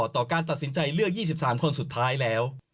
ต่อการตัดสินใจเลือก๒๓คนสุดท้ายแล้ว